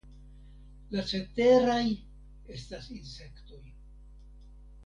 La ceteraj estas insektoj.